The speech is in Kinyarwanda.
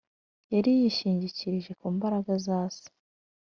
yari yishingikirije ku mbaraga za se